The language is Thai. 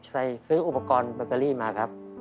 ซื้ออุปกรณ์เบอร์เกอรี่มาครับ